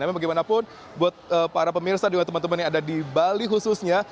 memang bagaimanapun buat para pemirsa juga teman teman yang ada di bali khususnya